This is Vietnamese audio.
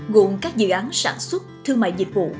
gồm các dự án sản xuất thương mại dịch vụ